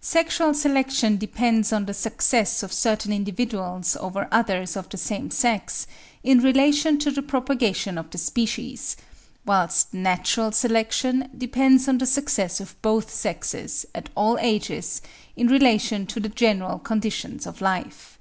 Sexual selection depends on the success of certain individuals over others of the same sex, in relation to the propagation of the species; whilst natural selection depends on the success of both sexes, at all ages, in relation to the general conditions of life.